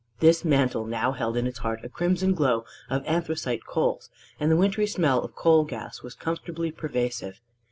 This mantel now held in its heart a crimson glow of anthracite coals; and the wintry smell of coal gas was comfortably pervasive.